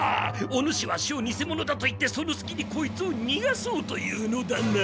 お主ワシをにせ者だと言ってそのすきにこいつをにがそうというのだな？